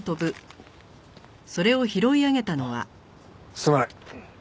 すまない。